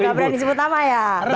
gak berani sebut nama ya